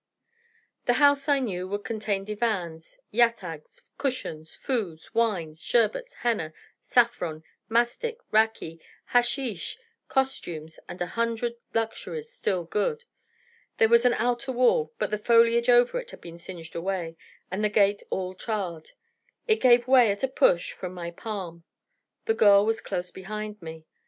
The house, I knew, would contain divans, yatags, cushions, foods, wines, sherbets, henna, saffron, mastic, raki, haschish, costumes, and a hundred luxuries still good. There was an outer wall, but the foliage over it had been singed away, and the gate all charred. It gave way at a push from my palm. The girl was close behind me.